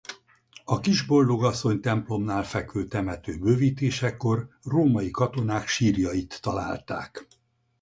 A Kisboldogasszony templomnál fekvő temető bővítésekor római katonák sírjait találták.